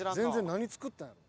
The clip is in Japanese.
何作ったんやろ。